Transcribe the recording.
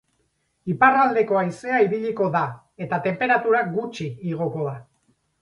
Iparraldeko haizea ibiliko da eta tenperatura gutxi igoko da.